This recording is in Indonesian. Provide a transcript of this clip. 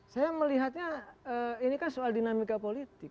saya melihatnya ini kan soal dinamika politik